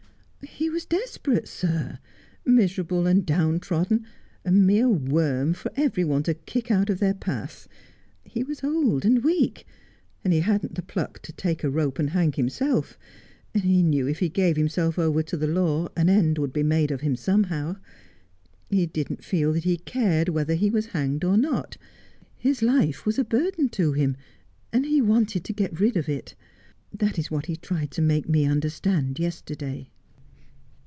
' He was desperate, sir, miserable and downtrodden, a mere worm for every one to kick out of their path. He was old and weak, and he hadn't the pluck to take a rope and hang himself, and he knew if he gave himself over to the law an end would be made of him somehow. He didn't feel that he cared whether he was hanged or not. His life was a burden to him, and he wanted to get rid of it. That is what he tried to make me understand yesterday.'